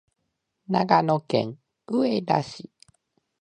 長野県上田市